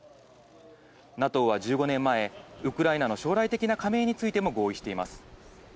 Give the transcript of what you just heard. ＮＡＴＯは１５年前、ウクライナの将来的な加盟についても合意しています。